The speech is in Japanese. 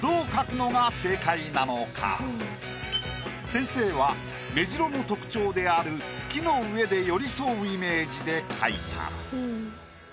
先生はメジロの特徴である木の上で寄り添うイメージで描いた。